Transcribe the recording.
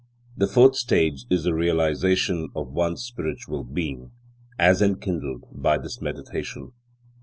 The fourth stage is the realization of one's spiritual being, as enkindled by this meditation.